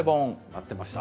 待ってました。